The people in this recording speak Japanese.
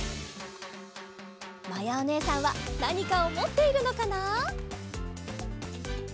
まやおねえさんはなにかをもっているのかな？